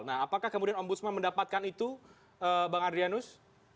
nah apakah kemudian om busman mendapatkan itu bang adrianus